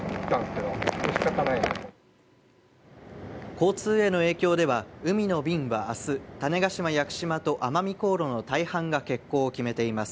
交通への影響では海の便はあす種子島屋久島と奄美航路の大半が欠航を決めています